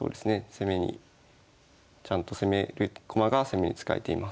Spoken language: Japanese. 攻めにちゃんと攻める駒が攻めに使えています。